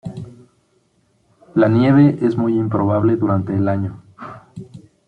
La nieve es muy improbable durante el año.